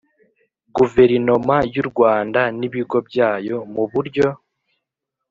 Guverinoma y u Rwanda n ibigo byayo mu buryo